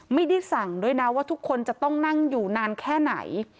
ไม่ได้สั่งด้วยนะว่าทุกคนจะต้องนั่งอยู่นานแค่ไหน